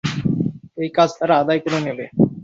এই কাজ তারা আদায় করে নেবে।